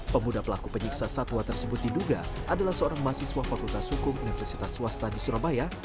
pemuda pelaku penyiksa satwa tersebut diduga adalah seorang mahasiswa fakultas hukum universitas swasta di surabaya